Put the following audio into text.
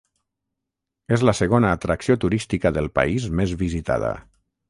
És la segona atracció turística del país més visitada.